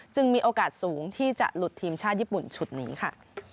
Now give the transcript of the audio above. มีโอกาสสูงที่จะหลุดทีมชาติญี่ปุ่นชุดนี้ค่ะ